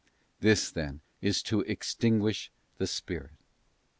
This, then, is to extinguish the Spirit.